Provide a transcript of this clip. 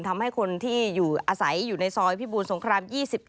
ทำให้คนที่อยู่อาศัยอยู่ในซอยพิบูรสงคราม๒๑